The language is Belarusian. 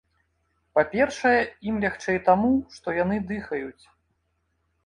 Па-першае, ім лягчэй таму, што яны дыхаюць.